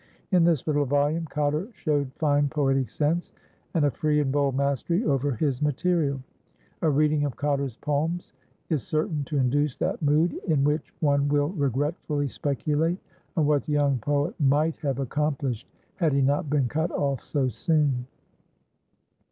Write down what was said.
In this little volume Cotter showed fine poetic sense and a free and bold mastery over his material. A reading of Cotter's poems is certain to induce that mood in which one will regretfully speculate on what the young poet might have accomplished had he not been cut off so soon.